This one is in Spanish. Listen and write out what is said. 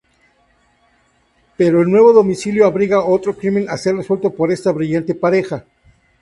Pero el nuevo domicilio abriga otro crimen a ser resuelto por esta brillante pareja.